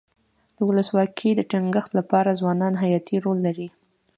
د ولسواکۍ د ټینګښت لپاره ځوانان حیاتي رول لري.